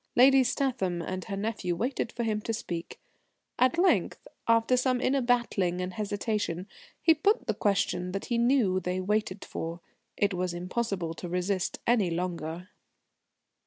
Lady Statham and her nephew waited for him to speak. At length, after some inner battling and hesitation, he put the question that he knew they waited for. It was impossible to resist any longer.